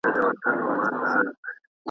موږ به پورته کړو اوږده څانګه په دواړو .